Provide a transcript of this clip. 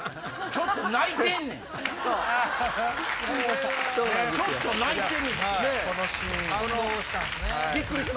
ちょっと泣いてるし！